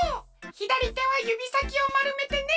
ひだりてはゆびさきをまるめてね